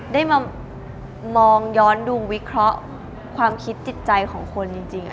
ได้มามองย้อนดูวิเคราะห์ความคิดจิตใจของคนจริง